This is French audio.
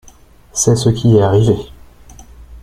C’est ce qui est arrivé.